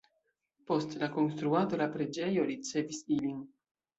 Post la konstruado la preĝejo ricevis ilin.